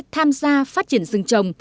tham gia phát triển rừng trồng